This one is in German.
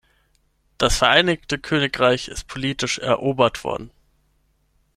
Das Vereinigte Königreich ist politisch erobert worden.